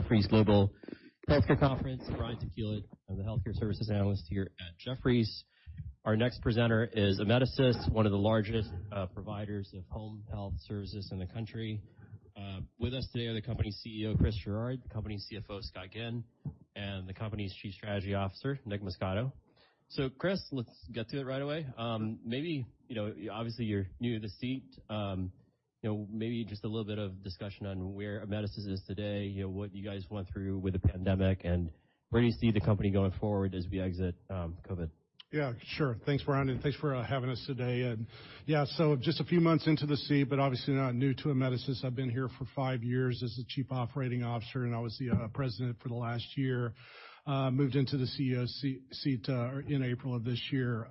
Jefferies Global Healthcare Conference. Brian Tanquilut, I'm the Healthcare Services analyst here at Jefferies. Our next presenter is Amedisys, one of the largest providers of home health services in the country. With us today are the company's CEO, Chris Gerard; the company's CFO, Scott Ginn; and the company's Chief Strategy Officer, Nick Muscato. Chris, let's get to it right away. Maybe, you know, obviously, you're new to the seat, you know, maybe just a little bit of discussion on where Amedisys is today, you know, what you guys went through with the pandemic and where do you see the company going forward as we exit COVID. Yeah, sure. Thanks, Brian, and thanks for having us today. Yeah, so just a few months into the seat, but obviously not new to Amedisys. I've been here for five years as the chief operating officer, and I was the president for the last year. Moved into the CEO seat in April of this year.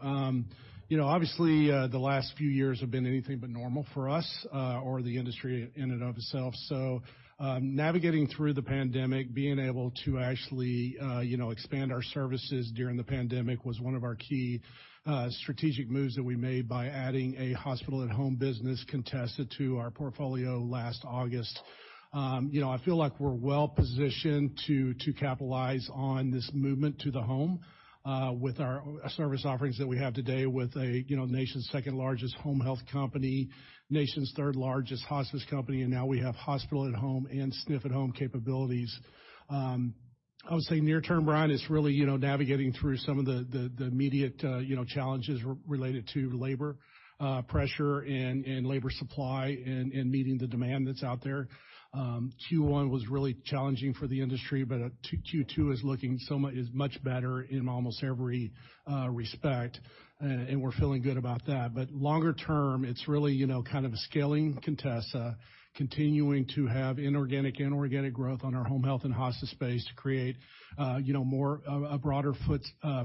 You know, obviously, the last few years have been anything but normal for us, or the industry in and of itself. Navigating through the pandemic, being able to actually, you know, expand our services during the pandemic was one of our key strategic moves that we made by adding a Hospital-at-Home business, Contessa, to our portfolio last August. You know, I feel like we're well-positioned to capitalize on this movement to the home with our service offerings that we have today with a, you know, nation's second largest home health company, nation's third-largest hospice company, and now we have Hospital-at-Home and SNF-at-Home capabilities. I would say near term, Brian, is really, you know, navigating through some of the immediate, you know, challenges related to labor pressure and labor supply and meeting the demand that's out there. Q1 was really challenging for the industry, but 2Q is looking much better in almost every respect and we're feeling good about that. Longer term, it's really, you know, kind of scaling Contessa, continuing to have inorganic and organic growth on our home health and hospice space to create, you know, more of a broader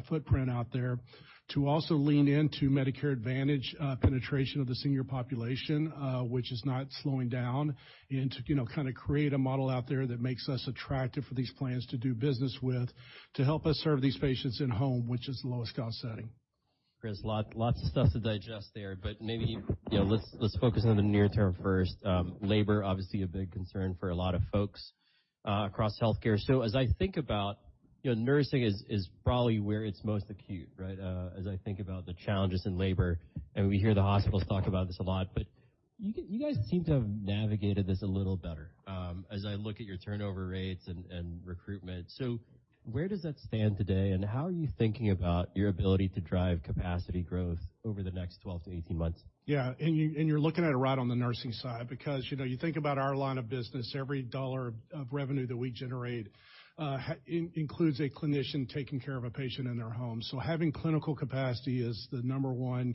footprint out there. To also lean into Medicare Advantage penetration of the senior population, which is not slowing down. To, you know, kinda create a model out there that makes us attractive for these plans to do business with, to help us serve these patients in home, which is the lowest cost setting. Chris, lots of stuff to digest there, but maybe, you know, let's focus on the near term first. Labor, obviously a big concern for a lot of folks across healthcare. As I think about, you know, nursing is probably where it's most acute, right? As I think about the challenges in labor, and we hear the hospitals talk about this a lot, but you guys seem to have navigated this a little better, as I look at your turnover rates and recruitment. Where does that stand today, and how are you thinking about your ability to drive capacity growth over the next 12 months-18 months? Yeah. You're looking at it right on the nursing side because, you know, you think about our line of business, every dollar of revenue that we generate includes a clinician taking care of a patient in their home. Having clinical capacity is the number one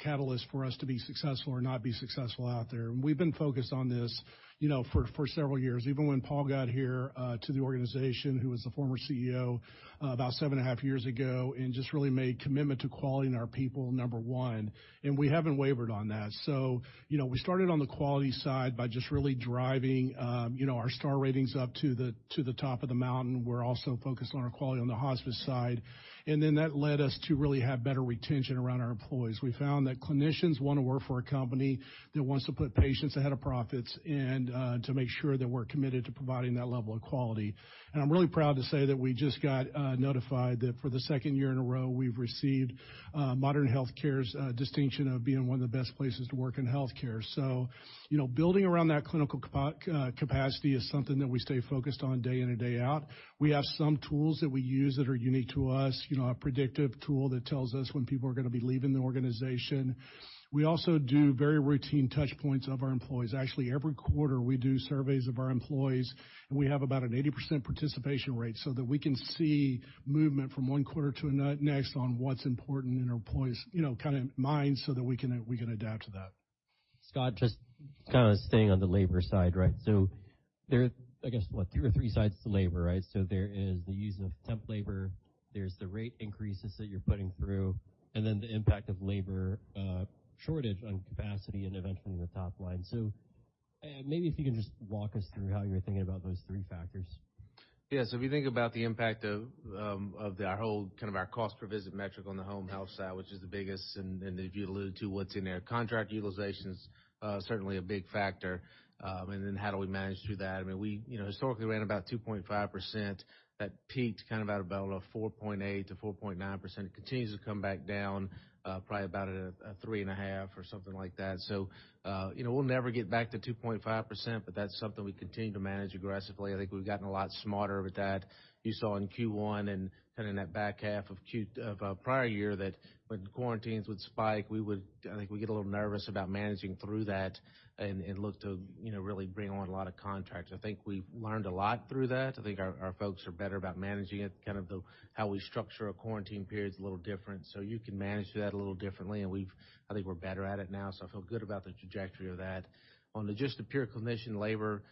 catalyst for us to be successful or not be successful out there. We've been focused on this, you know, for several years, even when Paul got here to the organization, who was the former CEO, about 7.5 years ago, and just really made commitment to quality and our people number one, and we haven't wavered on that. You know, we started on the quality side by just really driving, you know, our Star Ratings up to the top of the mountain. We're also focused on our quality on the hospice side. That led us to really have better retention around our employees. We found that clinicians wanna work for a company that wants to put patients ahead of profits and to make sure that we're committed to providing that level of quality. I'm really proud to say that we just got notified that for the second year in a row, we've received Modern Healthcare's distinction of being one of the best places to work in healthcare. You know, building around that clinical capacity is something that we stay focused on day in and day out. We have some tools that we use that are unique to us. You know, a predictive tool that tells us when people are gonna be leaving the organization. We also do very routine touch points of our employees. Actually, every quarter, we do surveys of our employees, and we have about an 80% participation rate so that we can see movement from one quarter to the next on what's important in our employees', you know, kinda minds so that we can adapt to that. Scott, just kinda staying on the labor side, right? There, I guess, what? Two or three sides to labor, right? There is the use of temp labor, there's the rate increases that you're putting through, and then the impact of labor shortage on capacity and eventually the top line. Maybe if you can just walk us through how you're thinking about those three factors. Yeah. If you think about the impact of our whole, kind of our cost per visit metric on the home health side, which is the biggest, and as you alluded to, what's in there. Contract utilization is certainly a big factor. And then how do we manage through that? I mean, we, you know, historically ran about 2.5%. That peaked kind of at about a 4.8%-4.9%. Continues to come back down, probably about a 3.5% or something like that. You know, we'll never get back to 2.5%, but that's something we continue to manage aggressively. I think we've gotten a lot smarter with that. You saw in Q1 and kind of in that back half of prior year that when quarantines would spike, we would, I think, get a little nervous about managing through that and look to, you know, really bring on a lot of contracts. I think we've learned a lot through that. I think our folks are better about managing it. Kind of how we structure a quarantine period is a little different. You can manage that a little differently, and I think we're better at it now, so I feel good about the trajectory of that. On just the pure clinician labor,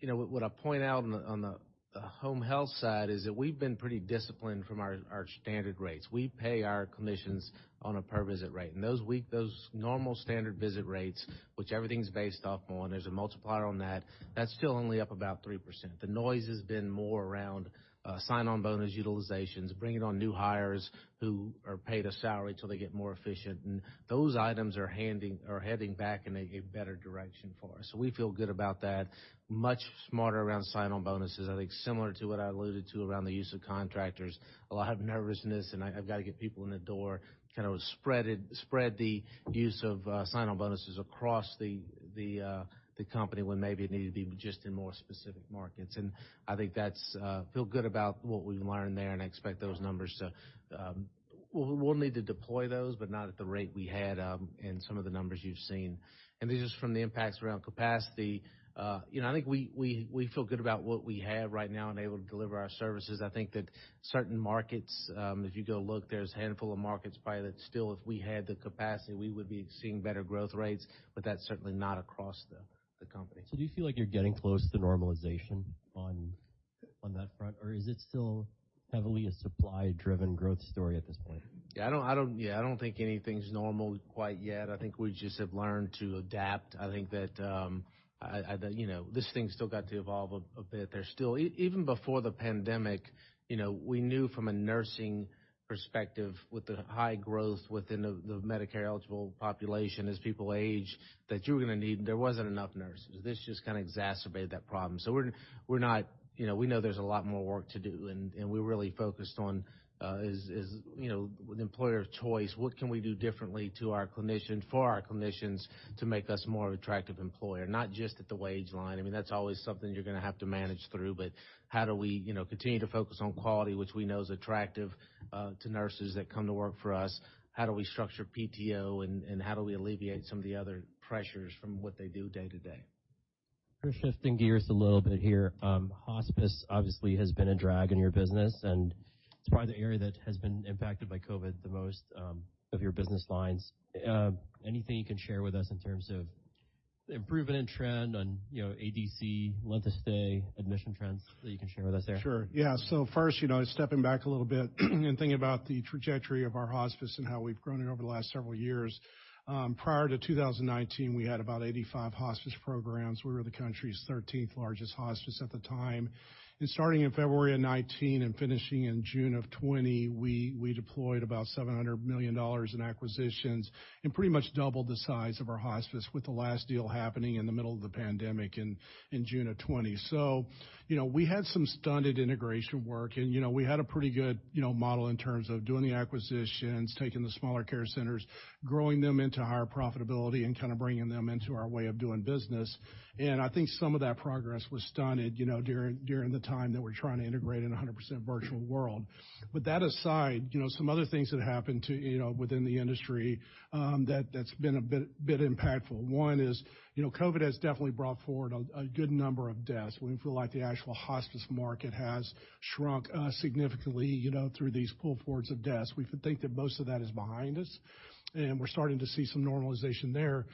you know, what I point out on the home health side is that we've been pretty disciplined from our standard rates. We pay our clinicians on a per visit rate. Those normal standard visit rates, which everything's based off on, there's a multiplier on that's still only up about 3%. The noise has been more around sign-on bonus utilizations, bringing on new hires who are paid a salary till they get more efficient. Those items are heading back in a better direction for us. We feel good about that. Much smarter around sign-on bonuses. I think similar to what I alluded to around the use of contractors, a lot of nervousness, and I've gotta get people in the door, kind of spread the use of sign-on bonuses across the company when maybe it needed to be just in more specific areas, markets. I think we feel good about what we've learned there, and I expect those numbers we'll need to deploy those, but not at the rate we had in some of the numbers you've seen. These are from the impacts around capacity. You know, I think we feel good about what we have right now and able to deliver our services. I think that certain markets, if you go look, there's a handful of markets probably that still, if we had the capacity, we would be seeing better growth rates, but that's certainly not across the company. Do you feel like you're getting close to normalization on that front? Is it still heavily a supply-driven growth story at this point? Yeah, I don't think anything's normal quite yet. I think we just have learned to adapt. I think that, you know, this thing's still got to evolve a bit. There's still even before the pandemic, you know, we knew from a nursing perspective with the high growth within the Medicare-eligible population as people age, that you were gonna need. There wasn't enough nurses. This just kinda exacerbated that problem. We're not, you know, we know there's a lot more work to do and we're really focused on, is, you know, with employer of choice, what can we do differently to our clinicians, for our clinicians to make us more of an attractive employer. Not just at the wage line. I mean, that's always something you're gonna have to manage through. How do we, you know, continue to focus on quality, which we know is attractive, to nurses that come to work for us. How do we structure PTO and how do we alleviate some of the other pressures from what they do day-to-day. Shifting gears a little bit here. Hospice obviously has been a drag in your business, and it's probably the area that has been impacted by COVID the most, of your business lines. Anything you can share with us in terms of improvement in trend on, you know, ADC, length of stay, admission trends that you can share with us there? Sure. Yeah. First, you know, stepping back a little bit and thinking about the trajectory of our hospice and how we've grown it over the last several years. Prior to 2019, we had about 85 hospice programs. We were the country's 13th largest hospice at the time. Starting in February of 2019 and finishing in June of 2020, we deployed about $700 million in acquisitions and pretty much doubled the size of our hospice with the last deal happening in the middle of the pandemic in June of 2020. You know, we had some stunted integration work and, you know, we had a pretty good, you know, model in terms of doing the acquisitions, taking the smaller care centers, growing them into higher profitability and kinda bringing them into our way of doing business. I think some of that progress was stunted, you know, during the time that we're trying to integrate in a 100% virtual world. With that aside, you know, some other things that happened, too, you know, within the industry, that's been a bit impactful. One is, you know, COVID has definitely brought forward a good number of deaths. We feel like the actual hospice market has shrunk significantly, you know, through these pull-forwards of deaths. We think that most of that is behind us, and we're starting to see some normalization there.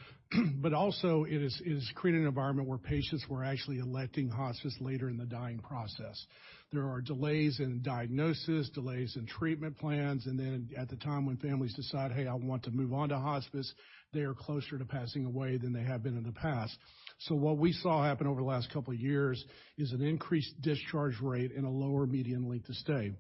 Also it has created an environment where patients were actually electing hospice later in the dying process. There are delays in diagnosis, delays in treatment plans, and then at the time when families decide, "Hey, I want to move on to hospice," they are closer to passing away than they have been in the past. What we saw happen over the last couple of years is an increased discharge rate and a lower median length of stay.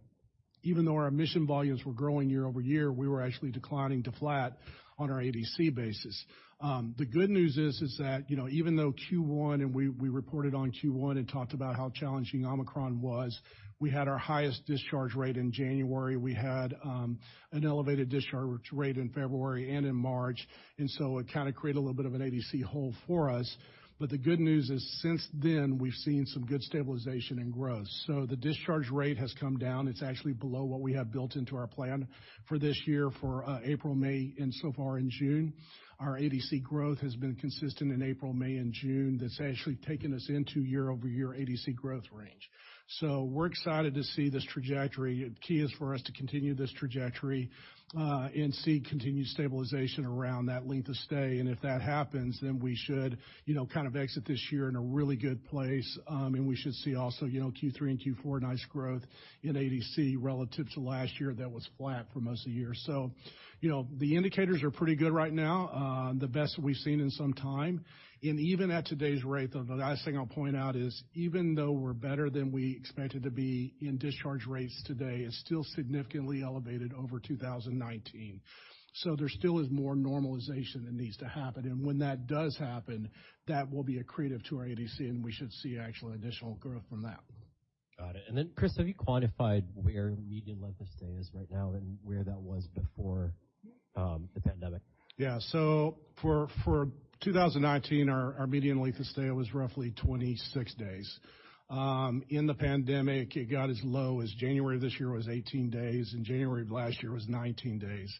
Even though our admission volumes were growing year-over-year, we were actually declining to flat on our ADC basis. The good news is that, you know, even though Q1 and we reported on Q1 and talked about how challenging Omicron was, we had our highest discharge rate in January. We had an elevated discharge rate in February and in March, and so it kinda created a little bit of an ADC hole for us. The good news is since then, we've seen some good stabilization and growth. The discharge rate has come down. It's actually below what we have built into our plan for this year for April, May, and so far in June. Our ADC growth has been consistent in April, May, and June. That's actually taken us into year-over-year ADC growth range. We're excited to see this trajectory. The key is for us to continue this trajectory and see continued stabilization around that length of stay. If that happens, then we should, you know, kind of exit this year in a really good place. We should see also, you know, Q3 and Q4, nice growth in ADC relative to last year that was flat for most of the year. You know, the indicators are pretty good right now, the best we've seen in some time. Even at today's rate, though, the last thing I'll point out is even though we're better than we expected to be in discharge rates today, it's still significantly elevated over 2019. There still is more normalization that needs to happen. When that does happen, that will be accretive to our ADC, and we should see actual additional growth from that. Got it. Chris, have you quantified where median length of stay is right now and where that was before the pandemic? For 2019, our median length of stay was roughly 26 days. In the pandemic, it got as low as January of this year was 18 days, and January of last year was 19 days.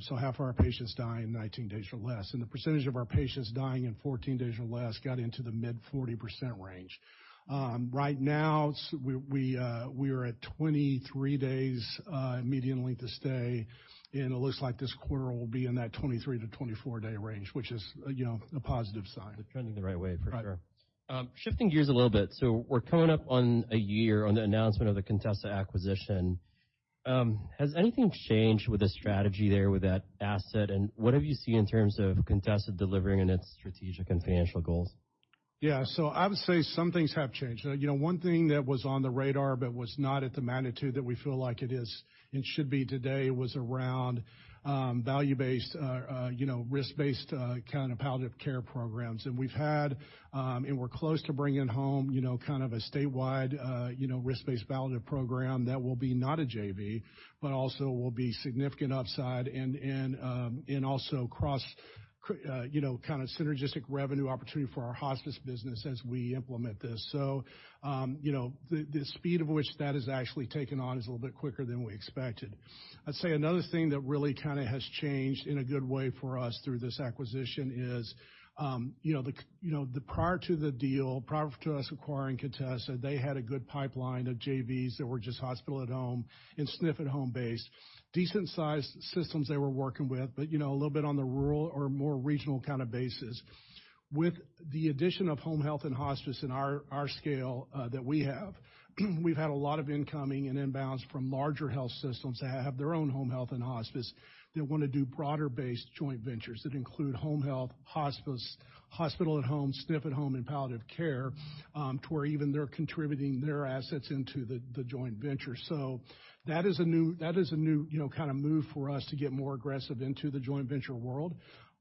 So half our patients die in 19 days or less. The percentage of our patients dying in 14 days or less got into the mid-40% range. Right now we are at 23 days median length of stay, and it looks like this quarter will be in that 23-24 day range, which is, you know, a positive sign. Trending the right way, for sure. Right. Shifting gears a little bit. We're coming up on a year on the announcement of the Contessa acquisition. Has anything changed with the strategy there with that asset, and what have you seen in terms of Contessa delivering on its strategic and financial goals? Yeah. I would say some things have changed. You know, one thing that was on the radar but was not at the magnitude that we feel like it is and should be today was around value-based, you know risk-based, kind of palliative care programs. We're close to bringing home, you know, kind of a statewide, you know, risk-based palliative program that will be not a JV, but also will be significant upside and also cross, you know, kind of synergistic revenue opportunity for our hospice business as we implement this. You know, the speed of which that has actually taken on is a little bit quicker than we expected. I'd say another thing that really kinda has changed in a good way for us through this acquisition is, you know, prior to us acquiring Contessa, they had a good pipeline of JVs that were just Hospital-at-Home and SNF-at-Home based. Decent sized systems they were working with, but, you know, a little bit on the rural or more regional kinda basis. With the addition of home health and hospice in our scale that we have, we've had a lot of incoming and inbounds from larger health systems that have their own home health and hospice that wanna do broader-based joint ventures that include home health, hospice, Hospital-at-Home, SNF-at-Home, and palliative care, to where even they're contributing their assets into the joint venture. That is a new, you know, kind of move for us to get more aggressive into the joint venture world.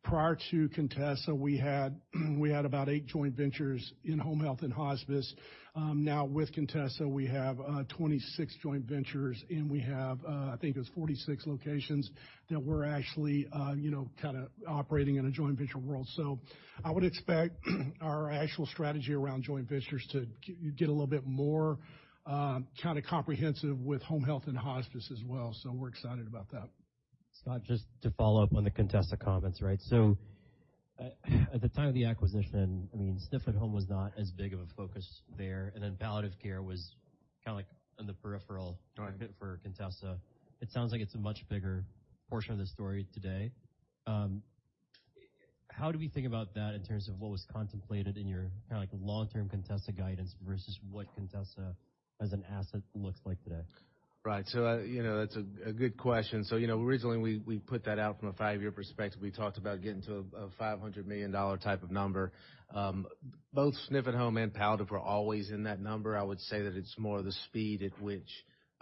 Prior to Contessa, we had about eight joint ventures in home health and hospice. Now with Contessa, we have 26 joint ventures, and we have, I think it was 46 locations that we're actually, you know, kinda operating in a joint venture world. I would expect our actual strategy around joint ventures to get a little bit more, kinda comprehensive with home health and hospice as well. We're excited about that. Scott, just to follow up on the Contessa comments, right? At the time of the acquisition, I mean, SNF at home was not as big of a focus there, and then palliative care was kinda like on the periphery. Right. -for Contessa. It sounds like it's a much bigger portion of the story today. How do we think about that in terms of what was contemplated in your kinda like long-term Contessa guidance versus what Contessa as an asset looks like today? Right. You know, that's a good question. You know, originally, we put that out from a five-year perspective. We talked about getting to a $500 million type of number. Both SNF-at-Home and palliative were always in that number. I would say that it's more the speed at which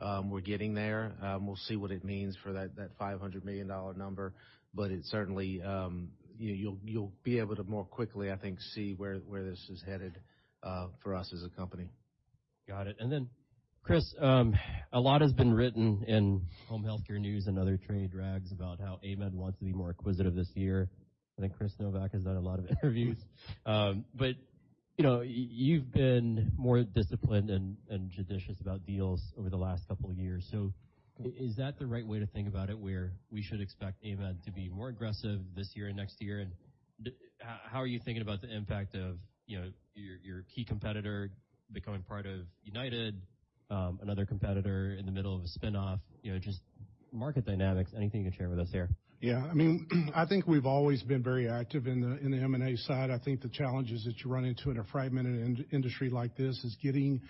we're getting there. We'll see what it means for that $500 million number. It certainly you'll be able to more quickly, I think, see where this is headed for us as a company. Got it. Chris, a lot has been written in Home Health Care News and other trade rags about how AMED wants to be more acquisitive this year. I think Chris Gerard has done a lot of interviews. You know, you've been more disciplined and judicious about deals over the last couple of years. Is that the right way to think about it, where we should expect AMED to be more aggressive this year and next year? How are you thinking about the impact of, you know, your key competitor becoming part of United, another competitor in the middle of a spinoff, you know, just market dynamics, anything you can share with us there? Yeah. I mean, I think we've always been very active in the M&A side. I think the challenges that you run into in a fragmented industry like this is getting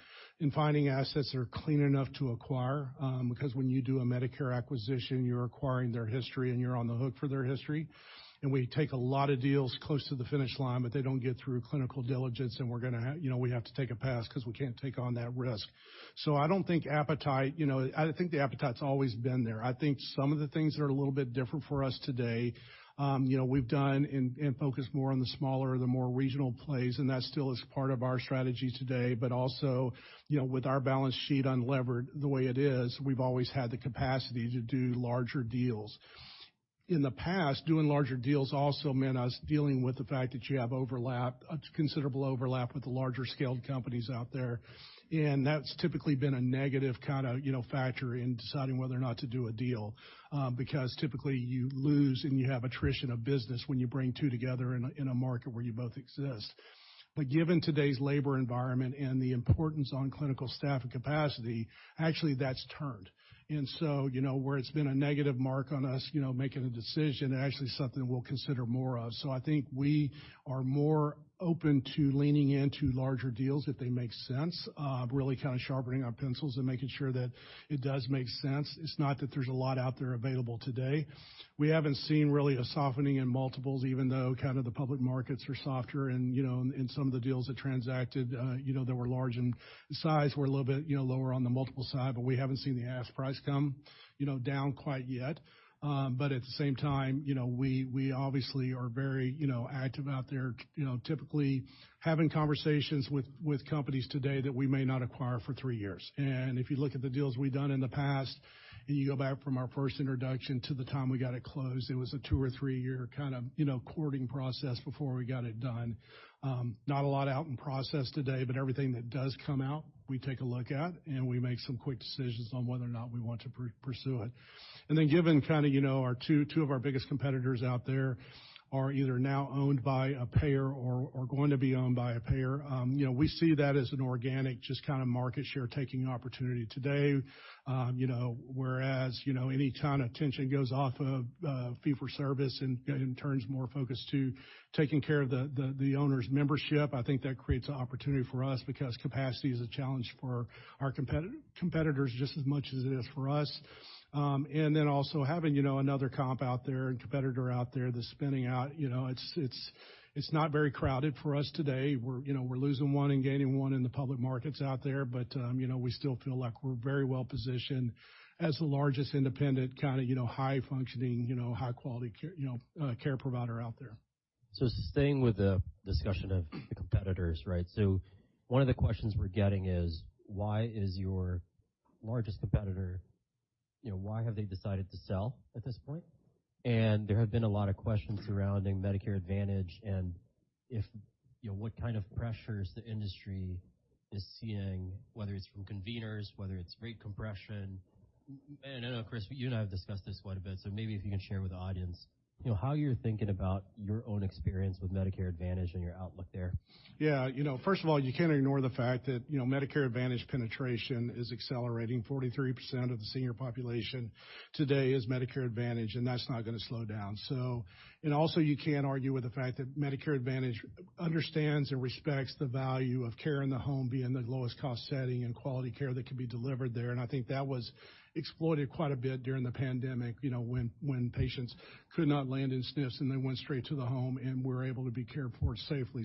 and finding assets that are clean enough to acquire, because when you do a Medicare acquisition, you're acquiring their history, and you're on the hook for their history. We take a lot of deals close to the finish line, but they don't get through clinical diligence, and we're gonna, you know, we have to take a pass 'cause we can't take on that risk. I don't think appetite, you know, I think the appetite's always been there. I think some of the things that are a little bit different for us today, you know, we've done and focused more on the smaller, more regional plays, and that still is part of our strategy today. Also, you know, with our balance sheet unlevered the way it is, we've always had the capacity to do larger deals. In the past, doing larger deals also meant us dealing with the fact that you have overlap, a considerable overlap with the larger scaled companies out there. That's typically been a negative kinda, you know, factor in deciding whether or not to do a deal, because typically you lose and you have attrition of business when you bring two together in a market where you both exist. Given today's labor environment and the importance on clinical staff and capacity, actually that's turned. You know, where it's been a negative mark on us, you know, making a decision, actually something we'll consider more of. I think we are more open to leaning into larger deals if they make sense, really kinda sharpening our pencils and making sure that it does make sense. It's not that there's a lot out there available today. We haven't seen really a softening in multiples, even though kind of the public markets are softer and, you know, and some of the deals that transacted, you know, that were large in size were a little bit, you know, lower on the multiple side, but we haven't seen the ask price come, you know, down quite yet. At the same time, you know, we obviously are very, you know, active out there, you know, typically having conversations with companies today that we may not acquire for three years. If you look at the deals we've done in the past and you go back from our first introduction to the time we got it closed, it was a two or three-year kinda, you know, courting process before we got it done. Not a lot out in process today, but everything that does come out, we take a look at, and we make some quick decisions on whether or not we want to pursue it. Given kinda, you know, our two of our biggest competitors out there are either now owned by a payer or going to be owned by a payer, you know, we see that as an organic just kinda market share taking opportunity today. You know, whereas, you know, any kind of tension goes off of fee-for-service and turns more focus to taking care of the owner's membership, I think that creates an opportunity for us because capacity is a challenge for our competitors just as much as it is for us. Also having, you know, another comp out there and competitor out there that's spinning out, you know, it's not very crowded for us today. We're, you know, we're losing one and gaining one in the public markets out there, but, you know, we still feel like we're very well positioned as the largest independent kinda, you know, high functioning, you know, high quality care, you know, care provider out there. Staying with the discussion of the competitors, right? One of the questions we're getting is, why is your largest competitor, you know, why have they decided to sell at this point? There have been a lot of questions surrounding Medicare Advantage and if, you know, what kind of pressures the industry is seeing, whether it's from conveners, whether it's rate compression. I know, Chris, you and I have discussed this quite a bit, so maybe if you can share with the audience, you know, how you're thinking about your own experience with Medicare Advantage and your outlook there. Yeah, you know, first of all, you can't ignore the fact that, you know, Medicare Advantage penetration is accelerating. 43% of the senior population today is Medicare Advantage, and that's not gonna slow down. You can't argue with the fact that Medicare Advantage understands and respects the value of care in the home being the lowest cost setting and quality care that can be delivered there. I think that was exploited quite a bit during the pandemic, you know, when patients could not land in SNFs, and they went straight to the home and were able to be cared for safely.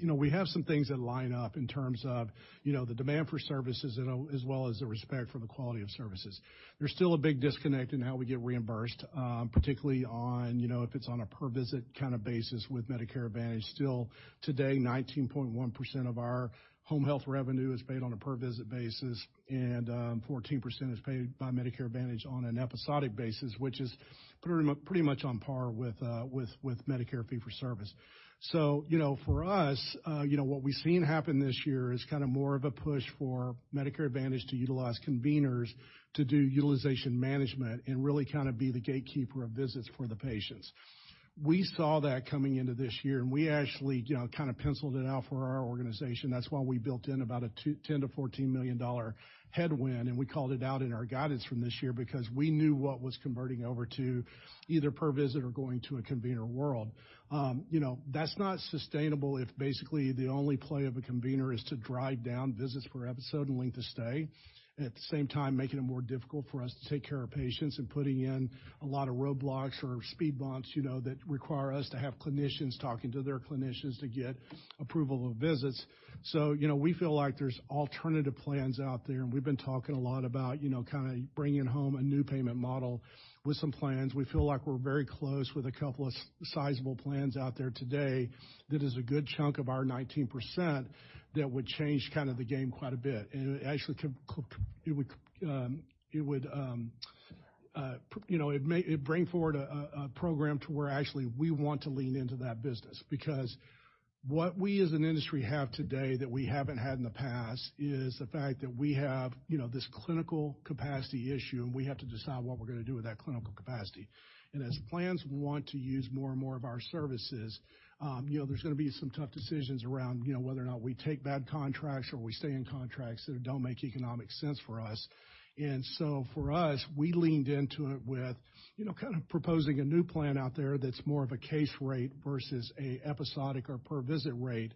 You know, we have some things that line up in terms of, you know, the demand for services as well as the respect for the quality of services. There's still a big disconnect in how we get reimbursed, particularly on, you know, if it's on a per visit kind of basis with Medicare Advantage. Still today, 19.1% of our home health revenue is paid on a per visit basis, and 14% is paid by Medicare Advantage on an episodic basis, which is pretty much on par with Medicare fee-for-service. For us, what we've seen happen this year is kinda more of a push for Medicare Advantage to utilize conveners to do utilization management and really kinda be the gatekeeper of visits for the patients. We saw that coming into this year, and we actually kind of penciled it out for our organization. That's why we built in about $10 million-$14 million headwind, and we called it out in our guidance from this year because we knew what was converting over to either per visit or going to a convener world. You know, that's not sustainable if basically the only play of a convener is to drive down visits per episode and length of stay. At the same time, making it more difficult for us to take care of patients and putting in a lot of roadblocks or speed bumps, you know, that require us to have clinicians talking to their clinicians to get approval of visits. You know, we feel like there's alternative plans out there, and we've been talking a lot about, you know, kinda bringing home a new payment model with some plans. We feel like we're very close with a couple of sizable plans out there today. That is a good chunk of our 19% that would change kinda the game quite a bit. It actually could, it would, you know, it may, it'd bring forward a program to where actually we want to lean into that business. Because what we as an industry have today that we haven't had in the past is the fact that we have, you know, this clinical capacity issue, and we have to decide what we're gonna do with that clinical capacity. As plans want to use more and more of our services, you know, there's gonna be some tough decisions around, you know, whether or not we take bad contracts or we stay in contracts that don't make economic sense for us. For us, we leaned into it with, you know, kind of proposing a new plan out there that's more of a case rate versus a episodic or per visit rate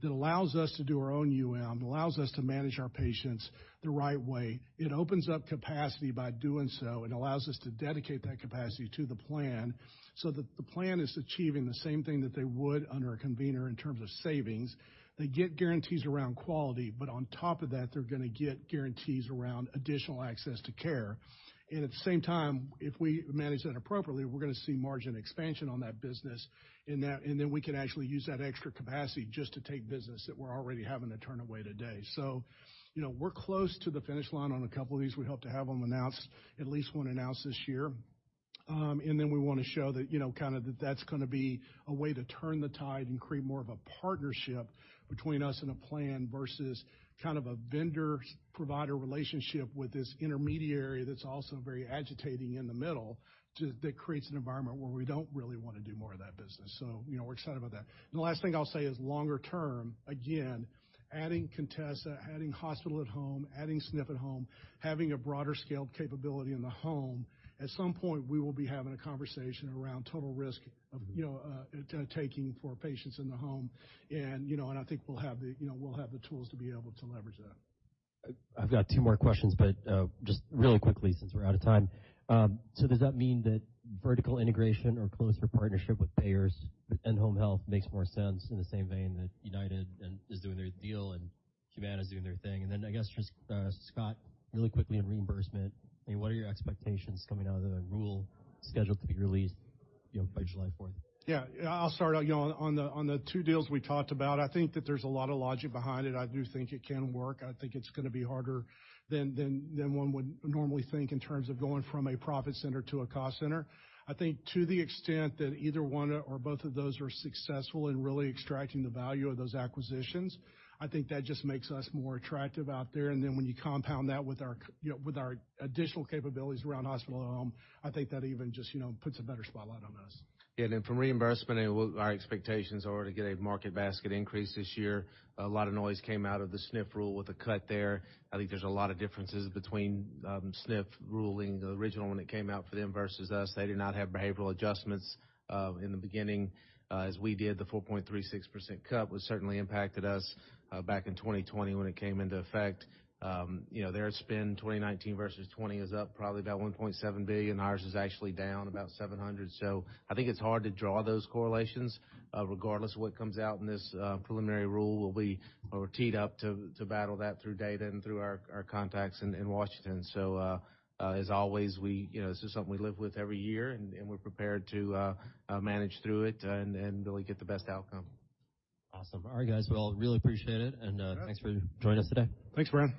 that allows us to do our own UM, allows us to manage our patients the right way. It opens up capacity by doing so and allows us to dedicate that capacity to the plan so that the plan is achieving the same thing that they would under a convener in terms of savings. They get guarantees around quality, but on top of that, they're gonna get guarantees around additional access to care. At the same time, if we manage that appropriately, we're gonna see margin expansion on that business, and then we can actually use that extra capacity just to take business that we're already having to turn away today. You know, we're close to the finish line on a couple of these. We hope to have them announced, at least one announced this year. We wanna show that, you know, kinda that that's gonna be a way to turn the tide and create more of a partnership between us and a plan versus kind of a vendor-provider relationship with this intermediary that's also very agitating in the middle that creates an environment where we don't really wanna do more of that business. You know, we're excited about that. The last thing I'll say is longer term, again, adding Contessa, adding Hospital-at-Home, adding SNF-at-Home, having a broader scaled capability in the home. At some point, we will be having a conversation around total risk of, you know, taking for patients in the home. You know, I think we'll have the tools to be able to leverage that. I've got two more questions, but just really quickly since we're out of time. Does that mean that vertical integration or closer partnership with payers and home health makes more sense in the same vein that UnitedHealth is doing their deal and Humana is doing their thing? I guess just Scott, really quickly on reimbursement, I mean, what are your expectations coming out of the rule scheduled to be released, you know, by July fourth? Yeah. I'll start out, you know, on the two deals we talked about. I think that there's a lot of logic behind it. I do think it can work. I think it's gonna be harder than one would normally think in terms of going from a profit center to a cost center. I think to the extent that either one or both of those are successful in really extracting the value of those acquisitions, I think that just makes us more attractive out there. Then when you compound that with our additional capabilities around hospital to home, I think that even just, you know, puts a better spotlight on us. From reimbursement, our expectations are to get a market basket increase this year. A lot of noise came out of the SNF rule with a cut there. I think there's a lot of differences between SNF ruling, the original one that came out for them versus us. They did not have behavioral adjustments in the beginning as we did. The 4.36% cut was certainly impacted us back in 2020 when it came into effect. You know, their spend 2019 versus 2020 is up probably about $1.7 billion. Ours is actually down about $700 million. I think it's hard to draw those correlations. Regardless of what comes out in this preliminary rule, we'll be teed up to battle that through data and through our contacts in Washington. As always, we, you know, this is something we live with every year and we're prepared to manage through it and really get the best outcome. Awesome. All right, guys. Well, really appreciate it, and, thanks for joining us today. Thanks, Brian.